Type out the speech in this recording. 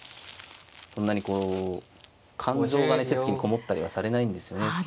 そんなにこう感情がね手つきに籠もったりはされないんですよね。